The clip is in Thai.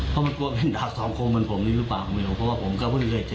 เพราะมันกลัวเป็นดาบสองคมเหมือนผมนี่หรือเปล่าผมไม่รู้เพราะว่าผมก็เพิ่งเคยเจอ